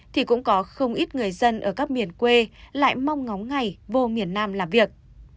thì cũng có không ít người dân ở các miền quê lại mong ngóng ngày vô miền nam làm việc